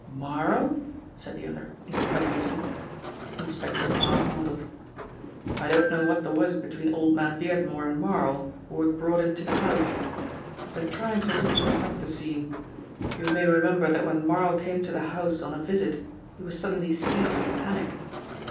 "Marl?" said the other incredulously. Inspector Parr nodded. "I don't know what there was between old man Beardmore and Marl, or what brought him to the house. I've been trying to reconstruct the scene. You may remember that when Marl came to the house on a visit he was suddenly seized with a panic."